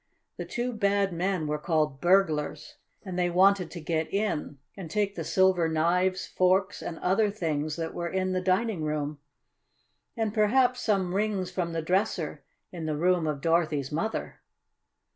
The two bad men were called burglars, and they wanted to get in, and take the silver knives, forks, and other things that were in the dining room, and perhaps some rings from the dresser in the room of Dorothy's mother.